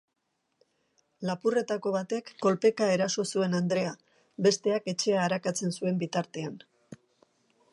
Lapurretako batek kolpeka eraso zuen andrea, besteak etxea arakatzen zuen bitartean.